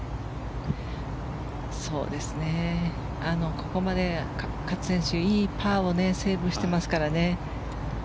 ここまで勝選手いいパーをセーブしてますからね。